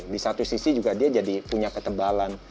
di satu sisi juga dia jadi punya ketebalan